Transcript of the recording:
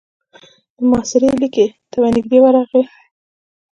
د محاصرې ليکې ته به نږدې ورغی.